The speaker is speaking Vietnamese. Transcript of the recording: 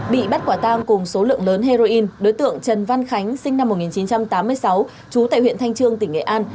bị bắt quả tang cùng số lượng lớn heroin đối tượng trần văn khánh sinh năm một nghìn chín trăm tám mươi sáu trú tại huyện thanh trương tỉnh nghệ an